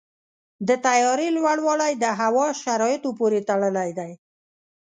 د طیارې لوړوالی د هوا شرایطو پورې تړلی دی.